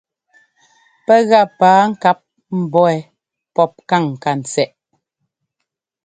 Pɛ́ gá paa-ŋkáp mbɔ̌ wɛ́ pɔ́p káŋ ŋkantsɛꞌ.